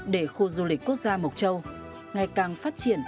để khu du lịch quốc gia mộc châu ngày càng phát triển